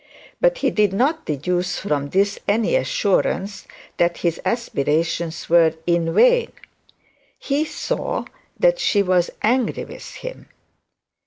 But he did not deduce from this any assurance that his aspirations were in vain. He saw that she was angry with him.